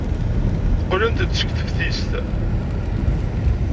Qqlent-d seg teftist.